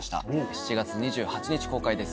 ７月２８日公開です。